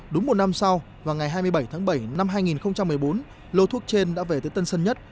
đúng một năm sau vào ngày hai mươi bảy tháng bảy năm hai nghìn một mươi bốn lô thuốc trên đã về tới tân sân nhất